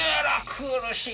苦しい。